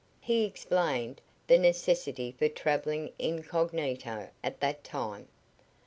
He explained the necessity for traveling incognito at that time.